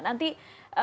nanti kita akan lihat